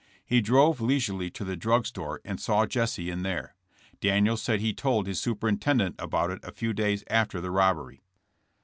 He drove leisurely to the drug store and saw Jesse in there. Daniels said he told his superintendent about it a few days after the robbery.